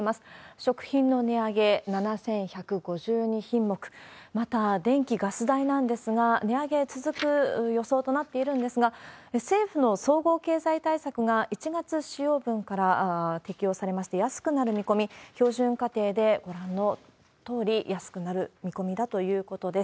食品の値上げ、７１５２品目、また電気・ガス代なんですが、値上げ続く予想となっているんですが、政府の総合経済対策が１月使用分から適用されまして、安くなる見込み、標準家庭でご覧のとおり安くなる見込みだということです。